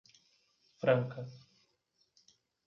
Franca